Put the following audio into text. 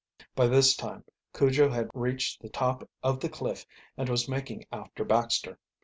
By this time Cujo had reached the top of the cliff and was making after Baxter.